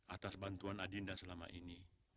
atas bantuan adinda selama ini